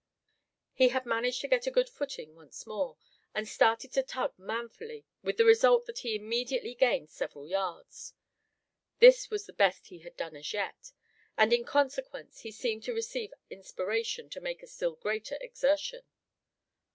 He had managed to get a good footing once more, and started to tug manfully with the result that he immediately gained several yards. This was the best he had done as yet, and in consequence he seemed to receive inspiration to make a still greater exertion.